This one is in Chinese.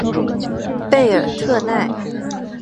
贝尔特奈。